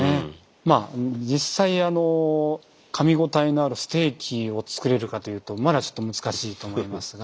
まあ実際かみごたえのあるステーキを作れるかというとまだちょっと難しいと思いますが。